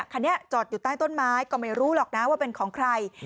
คันนี้จอดอยู่ใต้ต้นไม้ก็ไม่รู้หรอกนะว่าเป็นของใคร